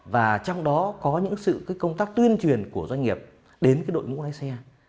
và trong đó có những sự công tác tuyên truyền của doanh nghiệp đến đội ngũ lái xe